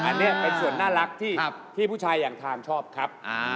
อันนี้เป็นส่วนน่ารักที่ผู้ชายอย่างทานชอบครับ